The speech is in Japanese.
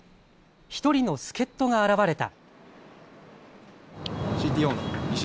１人の助っとが現れた。